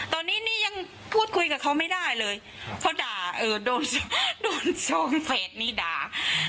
ตอนนี้นี่ยังพูดคุยกับเขาไม่ได้เลยเขาด่าโดนเฟสนี้ด่า